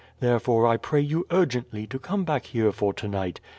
Therefore I pray you urgently to come back here for tonight.